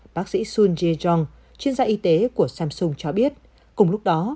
bác sĩ sun jae jong chuyên gia y tế của samsung cho biết cùng lúc đó